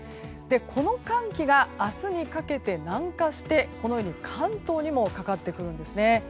この寒気が明日にかけて南下して関東にもかかってくるんですね。